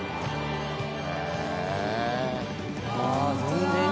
へえ！